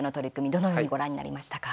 どのようにご覧になりましたか。